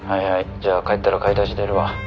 じゃあ帰ったら買い出し出るわ」